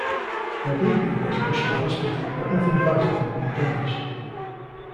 Radebe was rushed to hospital but nothing vital had been damaged.